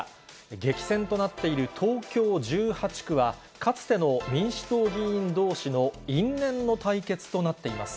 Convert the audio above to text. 激戦となっている東京１８区は、かつての民主党議員どうしの因縁の対決となっています。